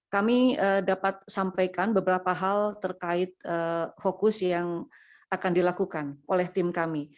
kami dapat sampaikan beberapa hal terkait fokus yang akan dilakukan oleh tim kami